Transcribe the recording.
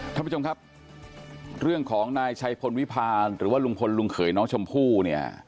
ท่านผู้ชมครับเรื่องของนายชัยพลวิพาหรือว่าลุงพลลุงเขยน้องชมพู่เนี่ย